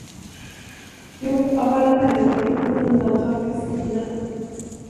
Jo, av alla människor, med undantag för Stina.